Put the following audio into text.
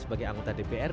letéan segala kemar dahulu